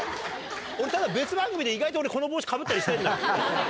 俺ただ別番組で意外と俺この帽子かぶったりしてんのよ。